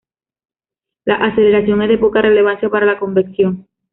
La aceleración es de poca relevancia para la convección.